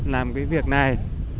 làm cái việc này